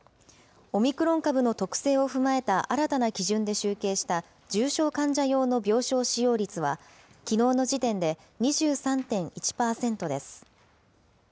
オミクロン株の特性を踏まえた新たな基準で集計した、重症患者用の病床使用率は、きのうの時点で２３．１％です。